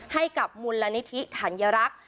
ให้กับมูลนิธิธัญรักษ์